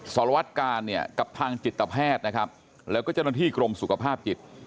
สารวัตกาลเนี่ยกับทางจิตแพทย์นะครับแล้วก็เจ้าหน้าที่กรมสุขภาพจิต